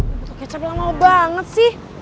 untuk kecap lama banget sih